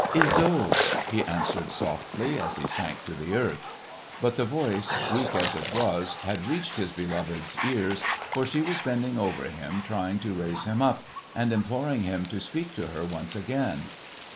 "Isolde!" he answered softly, as he sank to the earth. But the voice, weak as it was, had reached his beloved's ears, for she was bending over him trying to raise him up and imploring him to speak to her once again.